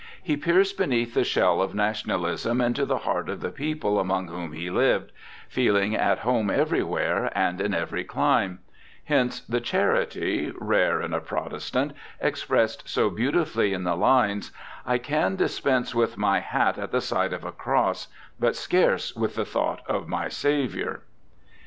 He pierced beneath the shell of nationalism into the heart of the people among whom he lived, feeling at home everywhere and in every clime ; hence the charity, rare in a Protestant, expressed so beautifully in the lines :* I can dispense with my hat at the sight of a cross, but scarce with the thought of my Saviour.'